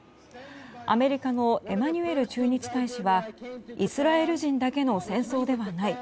アメリカのエマニュエル駐日大使はイスラエル人だけの戦争ではない。